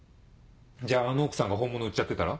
じゃあの奥さんが本物売っちゃってたら？